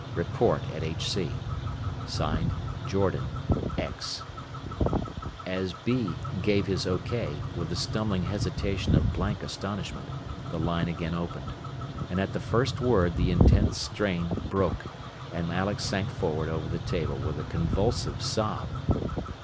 Report at HC. "(Signed) Jordan, X." As "B" gave his "OK" with the stumbling hesitation of blank astonishment, the line again opened. And at the first word the intense strain broke, and Alex sank forward over the table with a convulsive sob.